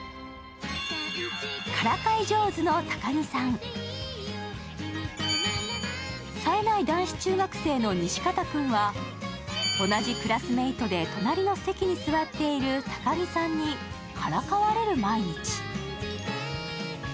さえない男子中学生の西片君は同じクラスメートで隣の席に座っている高木さんにからかわれる毎日。